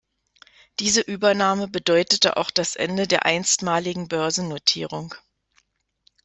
Diese Übernahme bedeutete auch das Ende der einstmaligen Börsennotierung.